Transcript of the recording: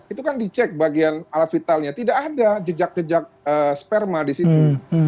itu kan dicek bagian alat vitalnya tidak ada jejak jejak sperma di situ